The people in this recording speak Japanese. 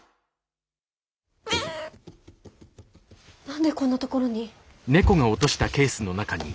何でこんなところに。